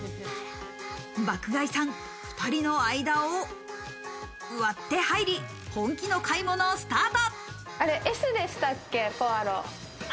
爆買いさん、２人の間を割って入り、本気の買い物スタート。